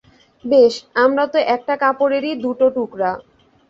বেশ, আমরা তো একটা কাপড়েরই দুটো টুকরা।